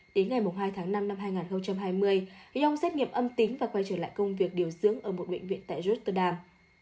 đến ngày hai tháng năm năm hai nghìn hai mươi yong xét nghiệm âm tính và quay trở lại công việc điều dưỡng ở một bệnh viện tại georterdam